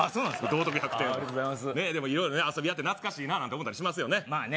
道徳１００点色々遊びやって懐かしいななんて思ったりしますよね